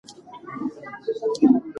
ده د شفافيت له لارې باور جوړ کړ.